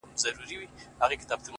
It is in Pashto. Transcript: هغه مي سرې سترگي زغملای نسي-